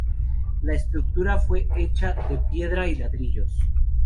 La estructura fue hecha de piedra y ladrillos.